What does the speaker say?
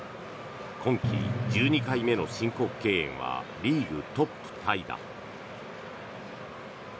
今季１２回目の申告敬遠はリーグトップタイだ。